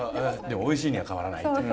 おいしいには変わらないというね。